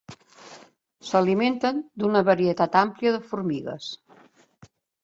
S'alimenten d'una varietat àmplia de formigues.